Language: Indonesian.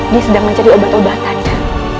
dia sedang mencari obat obatannya